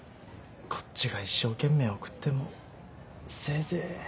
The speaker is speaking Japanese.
こっちが一生懸命送ってもせいぜい。